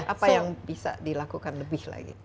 apa yang bisa dilakukan lebih lagi